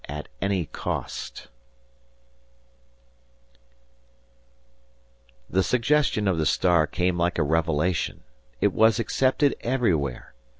AT ANY COST The suggestion of the Star came like a revelation. It was accepted everywhere.